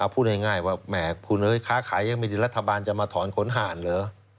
พูดง่ายว่าแหมคุณเอ้ยค้าขายยังไม่ดีรัฐบาลจะมาถอนขนห่านเหรอ